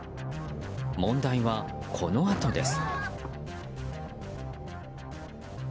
問題は、このあとです。